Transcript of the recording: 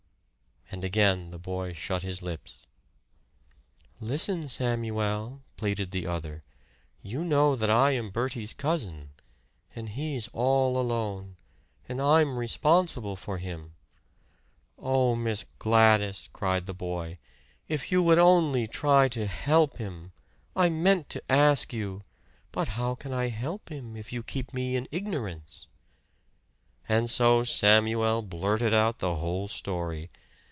And again the boy shut his lips. "Listen, Samuel," pleaded the other. "You know that I am Bertie's cousin. And he's all alone. And I'm responsible for him " "Oh, Miss Gladys!" cried the boy. "If you only would try to help him! I meant to ask you " "But how can I help him if you keep me in ignorance?" And so Samuel blurted out the whole story.